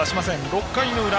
６回の裏。